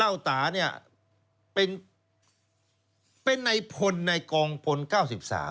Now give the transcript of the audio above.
เล่าตาเนี่ยเป็นในพลในกองพล๙๓นะครับ